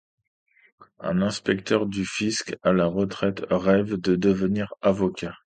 Un inspecteur du fisc à la retraite rêve de devenir avocat.